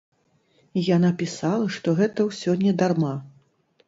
Яна пісала, што гэта ўсё не дарма.